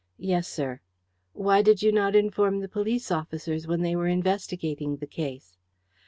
"Yes, sir." "Why did you not inform the police officers when they were investigating the case?"